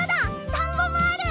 田んぼもある！